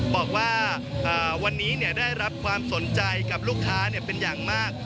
บอกว่าวันนี้ได้รับความสนใจกับลูกค้าเป็นอย่างมาก